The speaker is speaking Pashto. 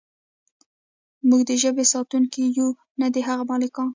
موږ د ژبې ساتونکي یو نه د هغې مالکان.